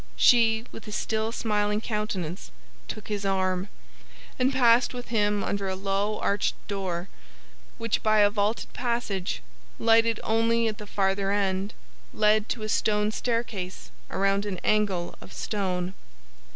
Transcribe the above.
She, with a still smiling countenance, took his arm, and passed with him under a low arched door, which by a vaulted passage, lighted only at the farther end, led to a stone staircase around an angle of stone.